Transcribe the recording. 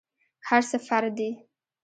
هرڅه فرع دي.